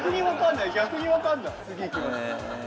逆に分かんない。